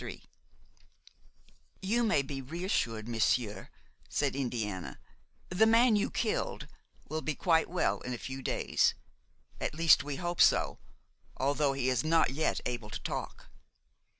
III "You may be reassured, monsieur," said Indiana; "the man you killed will be quite well in a few days; at least we hope so, although he is not yet able to talk."